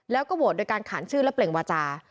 แล้วก็โหวตโดยการขานชื่อและเปล่งวาจา